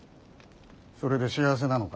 それで幸せなのか。